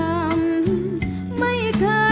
ไม่เคยลืมคำคนลำลูกกา